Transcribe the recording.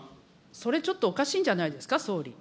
それ、ちょっとおかしいんじゃないですか、総理。